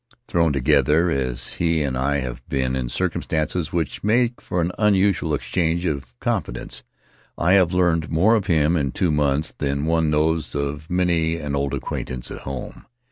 Thrown together, as he and I have been, in circumstances which make for an unusual exchange of confidence, I have learned more of him in two months than one knows of many an old acquaintance at home.